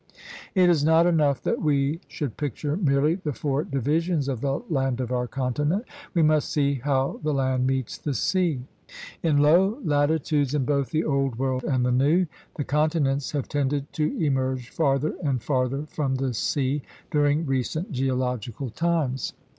It is not enough that we should picture merely the four divisions of the land of our continent. We must see how the land meets the sea. In low I GEOGRAPHIC PROVINCES 85 latitudes in both the Old World and the New, the continents have tended to emerge farther and farther from the sea during recent geological times.